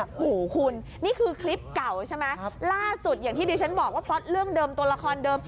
โอ้โหคุณนี่คือคลิปเก่าใช่ไหมล่าสุดอย่างที่ดิฉันบอกว่าพล็อตเรื่องเดิมตัวละครเดิม